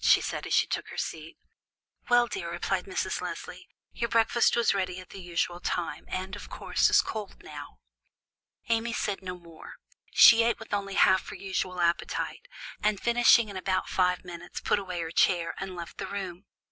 she said, as she took her seat. "Well, dear," replied Mrs. Leslie, "your breakfast was ready at the usual time, and of course is cold now." Amy said no more. She ate with only half her usual appetite, and, finishing in about five minutes put away her chair, and left the room.